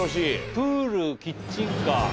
プールキッチンカー。